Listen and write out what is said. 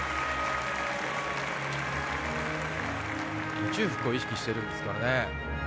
宇宙服を意識してるんですかね。